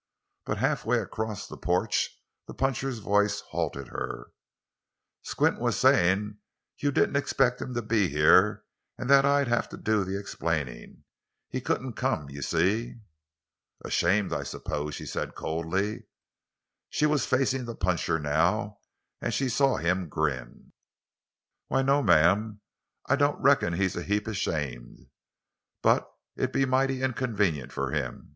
But half way across the porch the puncher's voice halted her: "Squint was sayin' you didn't expect him to be here, an' that I'd have to do the explainin'. He couldn't come, you see." "Ashamed, I suppose," she said coldly. She was facing the puncher now, and she saw him grin. "Why, no, ma'am; I don't reckon he's a heap ashamed. But it'd be mighty inconvenient for him.